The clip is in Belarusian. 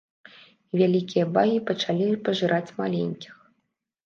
І вялікія багі пачалі пажыраць маленькіх.